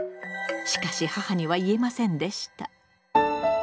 しかし母には言えませんでした。